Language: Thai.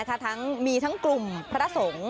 พระบุว่าจะมารับคนให้เดินทางเข้าไปในวัดพระธรรมกาลนะคะ